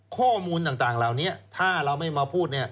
ข้อมูลต่างเหล่านี้ถ้าเราไม่มาพูด